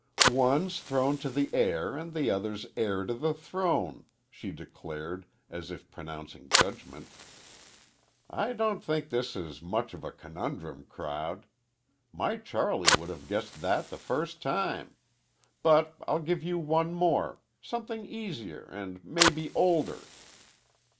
"One's thrown to the air, and the other's heir to the throne," she declared, as if pronouncing judgment. "I don't think this is much of a conundrum crowd. My Charlie would have guessed that the first time. But I'll give you one more something easier, and mebbe older."